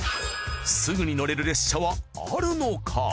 すぐに乗れる列車はあるのか？